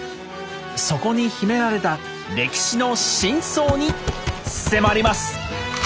そこに秘められた歴史の真相に迫ります。